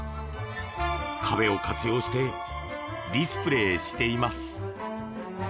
壁を活用してディスプレーしています。